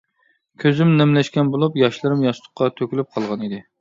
كۆزۈم نەملەشكەن بولۇپ، ياشلىرىم ياستۇققا تۆكۈلۈپ قالغان ئىدى.